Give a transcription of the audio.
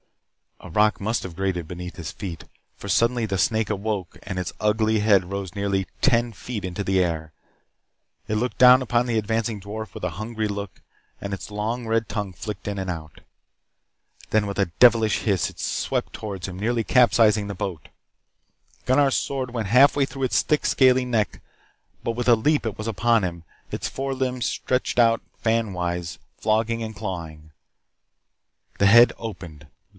A rock must have grated beneath his feet, for suddenly the snake awoke and its ugly head rose nearly ten feet into the air. It looked down upon the advancing dwarf with a hungry look and its long red tongue flicked in and out. Then with a devilish hiss it swept toward him, nearly capsizing the boat. Gunnar's sword went halfway through the thick, scaly neck, but with a leap it was upon him, its fore limbs spread out fan wise, flogging and clawing. The head opened.